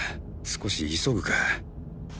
少し急ぐか